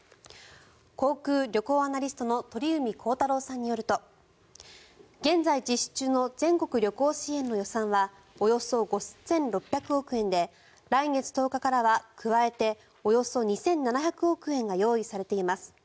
航空・旅行アナリストの鳥海高太朗さんによると現在実施中の全国旅行支援の予算はおよそ５６００億円で来月１０日からは加えておよそ２７００億円が用意されています。